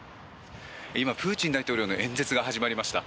今、プーチン大統領の演説が始まりました。